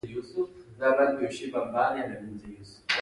حیثیت اعتباري شی دی چې هر وخت پناه کېدونکی دی.